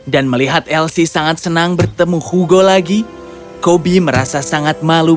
dan melihat elsie sangat senang bertemu hugo lagi koby merasa sangat malu